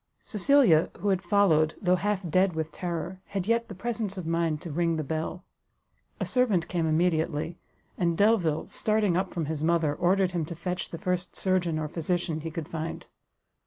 Cecilia, who had followed, though half dead with terror, had yet the presence of mind to ring the bell. A servant came immediately; and Delvile, starting up from his mother, ordered him to fetch the first surgeon or physician he could find.